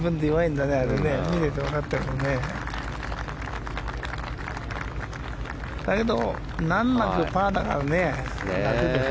だけど、難なくパーだからね。